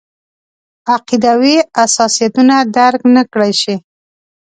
عقیدوي حساسیتونه درک نکړای شي.